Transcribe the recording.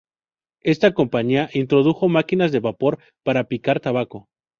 Esta compañía introdujo máquinas de vapor para picar tabaco.